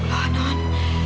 masya allah non